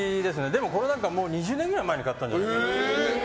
でも、これなんか２０年くらい前に買ったんじゃないかな。